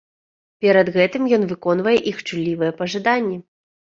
Перад гэтым ён выконвае іх чуллівыя пажаданні.